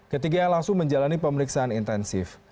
ketiga langsung menjalani pemeriksaan intensif